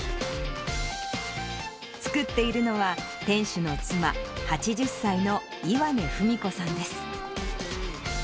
作っているのは、店主の妻、８０歳の岩根文子さんです。